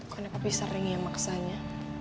kok ini papi sering ya maksanya